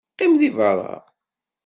Qqim deg beṛṛa.